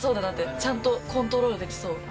ちゃんとコントロールできそう。